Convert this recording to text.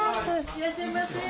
いらっしゃいませ。